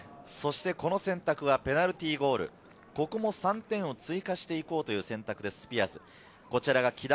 この選択はペナルティーゴール、ここも３点を追加していこうという選択です、スピアーズ。